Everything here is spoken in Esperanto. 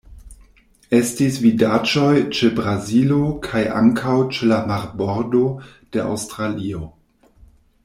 Estis vidaĵoj ĉe Brazilo kaj ankaŭ ĉe la marbordo de Aŭstralio.